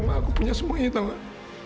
cuma aku punya semuanya tahu nggak